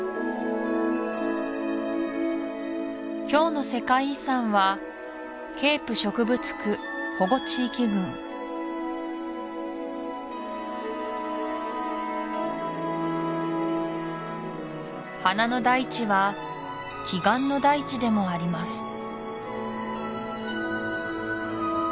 今日の世界遺産は花の大地は奇岩の大地でもあります